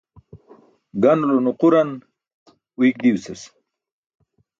Ganulo nuquran uiyk diwsas.